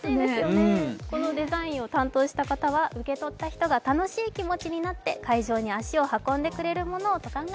このデザインを担当した方は受け取った人が楽しい気持ちになって会場に足を運んでくれるものをと考え